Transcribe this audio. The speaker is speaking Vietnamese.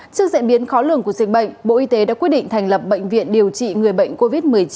trước diễn biến khó lường của dịch bệnh bộ y tế đã quyết định thành lập bệnh viện điều trị người bệnh covid một mươi chín